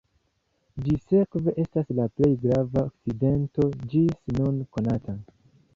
Ĝi sekve estas la plej grava akcidento ĝis nun konata.